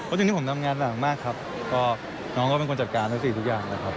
เพราะจงที่ผมทำงานมากครับก็น้องก็เป็นคนจัดการทุกอย่างแล้วครับ